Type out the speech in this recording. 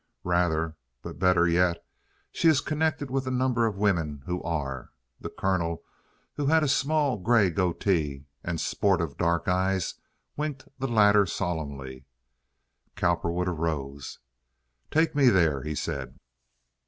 "Rather. But better yet, she is connected with a number of women who are." The Colonel, who had a small, gray goatee and sportive dark eyes, winked the latter solemnly. Cowperwood arose. "Take me there," he said.